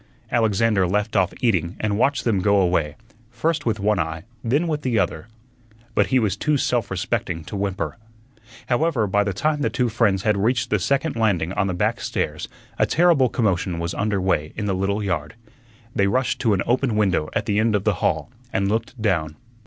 Alexander left off eating and watched them go away, first with one eye, then with the other. But he was too self respecting to whimper. However, by the time the two friends had reached the second landing on the back stairs a terrible commotion was under way in the little yard. They rushed to an open window at the end of the hall and looked down.